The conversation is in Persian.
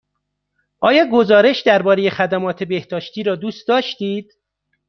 آیا گزارش درباره خدمات بهداشتی را دوست داشتید؟